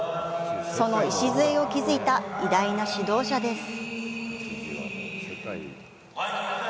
その礎を築いた偉大な指導者です。